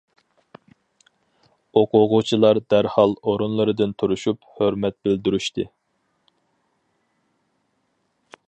ئوقۇغۇچىلار دەرھال ئورۇنلىرىدىن تۇرۇشۇپ، ھۆرمەت بىلدۈرۈشتى.